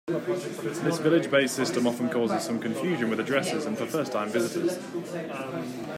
This village-based system often causes some confusion with addresses and for first time visitors.